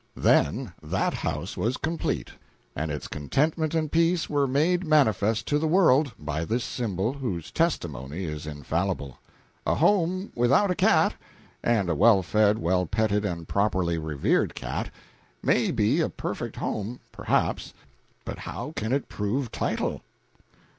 Then that house was complete, and its contentment and peace were made manifest to the world by this symbol, whose testimony is infallible. A home without a cat and a well fed, well petted and properly revered cat may be a perfect home, perhaps, but how can it prove title?